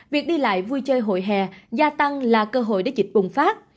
việc đi lại vui chơi hội hè gia tăng là cơ hội để dịch bùng phát